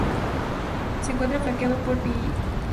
Se encuentra flanqueado por pilastras y frontón semicircular.